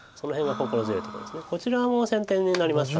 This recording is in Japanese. こちらも先手になりますから。